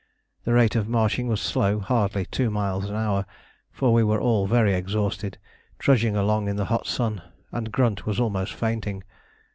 The rate of marching was slow, hardly two miles an hour, for we were all very exhausted, trudging along in the hot sun, and Grunt was almost fainting.